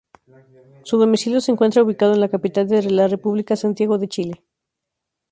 Su domicilio se encuentra ubicado en la capital de la República, Santiago de Chile.